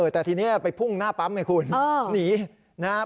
แต่ทีนี้ไปพุ่งหน้าปั๊มไงคุณหนีนะครับ